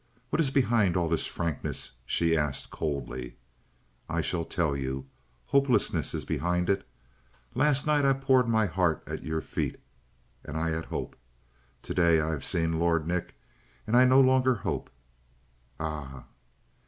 "What is behind all this frankness?" she asked coldly. "I shall tell you. Hopelessness is behind it. Last night I poured my heart at your feet. And I had hope. Today I have seen Lord Nick and I no longer hope." "Ah?"